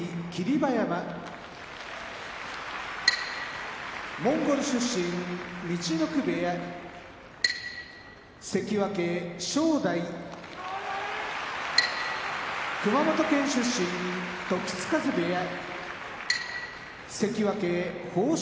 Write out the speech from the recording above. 馬山モンゴル出身陸奥部屋関脇・正代熊本県出身時津風部屋関脇豊昇